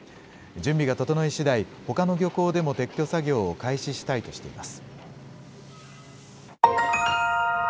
準備が整いしだい、ほかの漁港でも撤去作業を開始したいとしています。